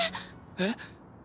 えっ？